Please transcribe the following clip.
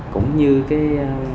cũng như cái